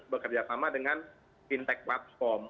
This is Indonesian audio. bekerja sama dengan fintech platform